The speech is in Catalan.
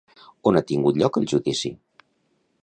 On ha tingut lloc el judici?